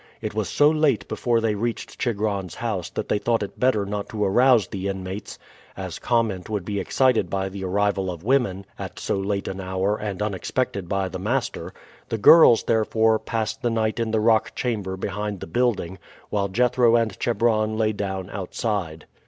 It was so late before they reached Chigron's house that they thought it better not to arouse the inmates, as comment would be excited by the arrival of women at so late an hour and unexpected by the master; the girls, therefore, passed the night in the rock chamber behind the building, while Jethro and Chebron lay down outside.